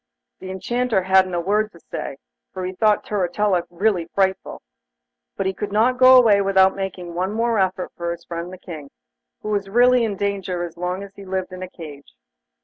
The Enchanter hadn't a word to say, for he thought Turritella really frightful, but he could not go away without making one more effort for his friend the King, who was really in great danger as long as he lived in a cage.